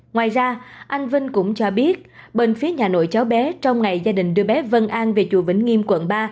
ngoài ra anh vinh cũng cho biết bên phía nhà nổi cháu bé trong ngày gia đình đưa bé vân an về chùa vĩnh nghiêm quận ba